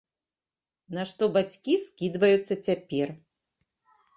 На што бацькі скідваюцца цяпер.